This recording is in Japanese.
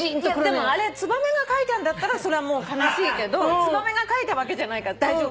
でもツバメが書いたんだったらそれはもう悲しいけどツバメが書いたわけじゃないから大丈夫。